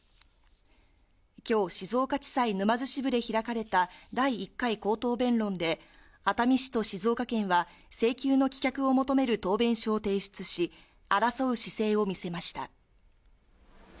きょう、静岡地裁沼津支部で開かれた第１回口頭弁論で、熱海市と静岡県は請求の棄却を求める答弁書を提出し、争う姿勢を見せました。